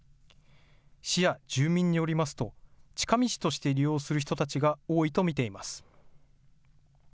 市や住民によりますと近道として利用する人たちが多いと見ています。